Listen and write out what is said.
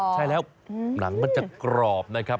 ใช่แล้วหนังมันจะกรอบนะครับ